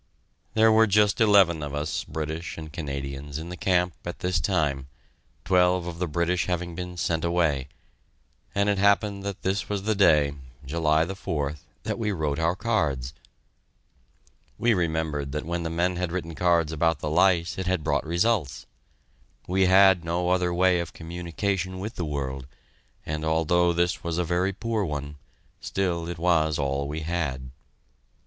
There were just eleven of us, British and Canadians, in the camp at this time, twelve of the British having been sent away; and it happened that this was the day, July 4th, that we wrote our cards. We remembered that when the men had written cards about the lice it had brought results: we had no other way of communication with the world, and although this was a very poor one, still it was all we had.